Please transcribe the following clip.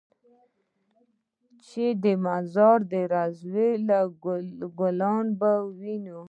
چې د مزار د روضې ګلونه به ووینې.